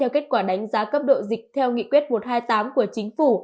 kết quả đánh giá cấp độ dịch theo nghị quyết một trăm hai mươi tám của chính phủ